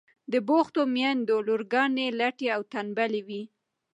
د بوختو میندو لورگانې لټې او تنبلې وي.